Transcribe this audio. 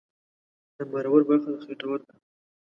د مرور برخه د خېټور ده